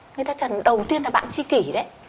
người ta trần đầu tiên là bạn chi kỷ đấy